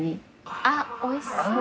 あっおいしそう。